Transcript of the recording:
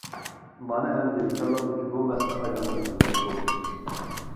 مانا ئەمدى كاللامدىكى بۇ مەسىلە ئايدىڭلاشقاندەك بولدى.